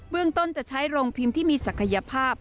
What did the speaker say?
เรื่องต้นจะใช้โรงพิมพ์ที่มีศักยภาพ